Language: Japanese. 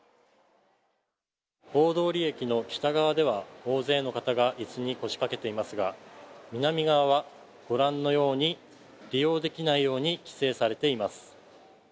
大通駅の北側では、大勢の方がいすに腰掛けていますが、南側はご覧のように、利用できないように規制されています。